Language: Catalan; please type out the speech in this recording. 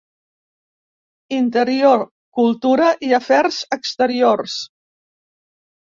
Interior, Cultura i Afers Exteriors.